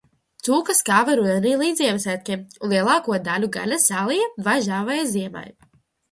Cūkas kāva rudenī līdz Ziemassvētkiem, un lielāko daļu gaļas sālīja vai žāvēja ziemai.